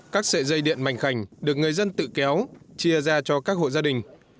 các sệ dây điện mạnh khẳng được người dân tự kéo chia ra cho các hộ gia đình